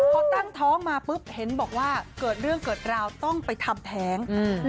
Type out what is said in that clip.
พอตั้งท้องมาปุ๊บเห็นบอกว่าเกิดเรื่องเกิดราวต้องไปทำแท้ง